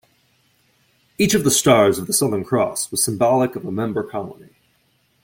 Each of the stars of the Southern Cross was symbolic of a member colony.